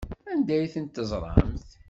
Anda ay tent-teẓramt?